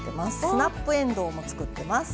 スナップエンドウも作ってます。